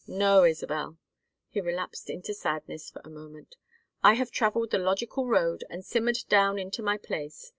No, Isabel." He relapsed into sadness for a moment. "I have travelled the logical road and simmered down into my place.